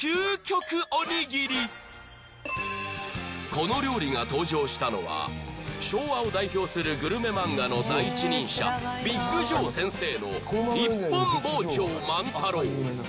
この料理が登場したのは昭和を代表するグルメ漫画の第一人者ビッグ錠先生の「一本包丁満太郎」